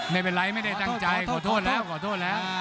ไม่เป็นไรไม่ได้ตั้งใจขอโทษแล้วขอโทษแล้ว